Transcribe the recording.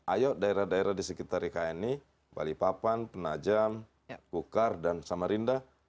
ayo daerah daerah di sekitar ikn ini balikpapan penajam gukar dan samarinda